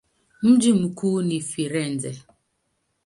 Mji mkuu ni Firenze.